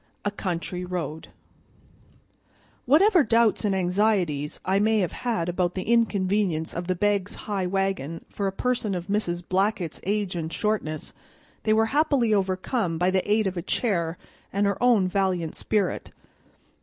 A Country Road WHATEVER DOUBTS and anxieties I may have had about the inconvenience of the Begg's high wagon for a person of Mrs. Blackett's age and shortness, they were happily overcome by the aid of a chair and her own valiant spirit.